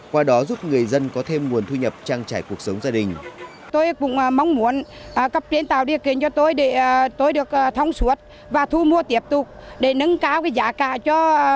qua đó giúp người dân có thêm nguồn thu nhập trang trải cuộc sống gia đình